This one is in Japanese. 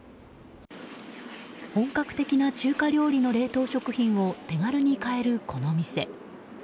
本格的な中華料理の冷凍食品を手軽に買える、この店。